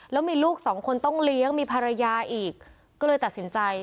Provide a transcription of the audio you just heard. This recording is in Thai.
แล้วมีลูกสองคนต้องเลี้ยงมีภรรยาอีกก็เลยตัดสินใจ